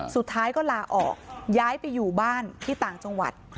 สุดท้ายก็ลาออกย้ายไปอยู่บ้านที่ต่างจังหวัด